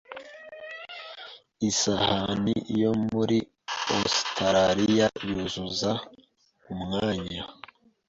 Isahani yo muri Ositaraliya yuzuza umwanya